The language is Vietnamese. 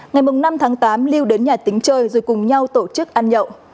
ngày năm tháng tám lưu đến nhà tính chơi rồi cùng nhau tổ chức ăn nhậu